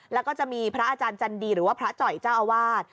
แล้วก็จะมีพระอาจารย์จันดีหรือว่าพระจ่อยเจ้าอาวาส